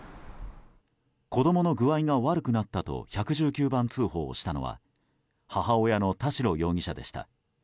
子供の具合が悪くなったと１１９番通報をしたのは母親の田代容疑者でした。